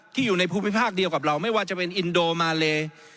อยู่ในภูมิภาคเดียวกับเราไม่ว่าจะเป็นอินโดมาเล